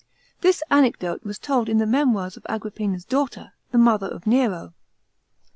This anecdote was told in the Memoirs of Agrippina's daughter, the mother of Nero.